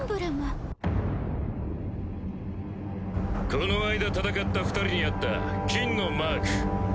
この間戦った２人にあった金のマーク。